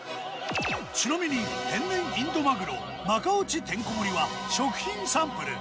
ちなみに天然インド鮪中落ちてんこ盛りは食品サンプル。